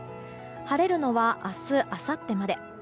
晴れるのは明日あさってまで。